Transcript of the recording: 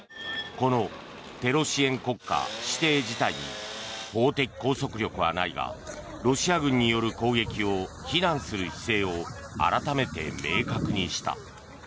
このテロ支援国家指定自体に法的拘束力はないがロシア軍による攻撃を非難する姿勢を改めて明確にした。